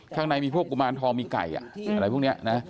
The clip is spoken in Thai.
ข้างในมีพวกกุมารทองมีไก่อะไรพวกนี้นะ